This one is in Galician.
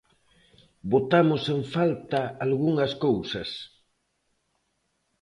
Botamos en falta algunhas cousas.